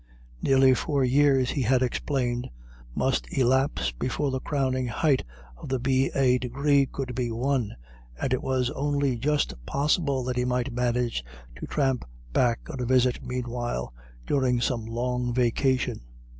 Nearly four years, he had explained, must elapse before the crowning height of the B. A. Degree could be won, and it was only just possible that he might manage to tramp back on a visit meanwhile, during some Long Vacation.